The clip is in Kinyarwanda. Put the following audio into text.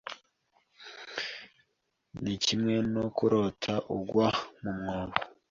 ni kimwe no kurota ugwa mu mwobo.